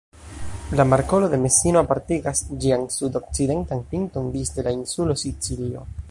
La markolo de Mesino apartigas ĝian sud-okcidentan pinton disde la insulo Sicilio.